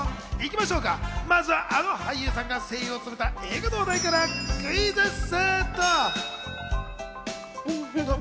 まずは、あの俳優さんが声優を務めた映画の話題からクイズッス！